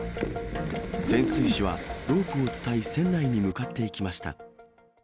潜水士はロープを伝い、船内に向かっていきました。